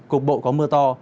cục bộ có mưa to